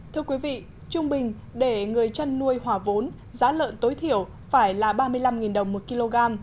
thưa quý vị trung bình để người chăn nuôi hòa vốn giá lợn tối thiểu phải là ba mươi năm đồng một kg